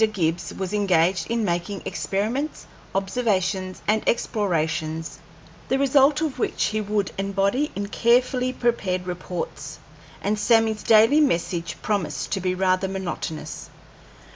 Gibbs was engaged in making experiments, observations, and explorations, the result of which he would embody in carefully prepared reports, and Sammy's daily message promised to be rather monotonous.